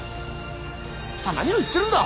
「何を言ってるんだ！？